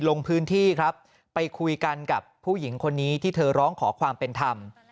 ลงพื้นที่ครับไปคุยกันกับผู้หญิงคนนี้ที่เธอร้องขอความเป็นธรรม